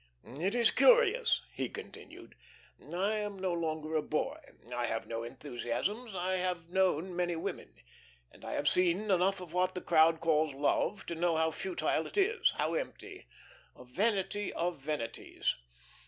"It is curious," he continued. "I am no longer a boy. I have no enthusiasms. I have known many women, and I have seen enough of what the crowd calls love to know how futile it is, how empty, a vanity of vanities.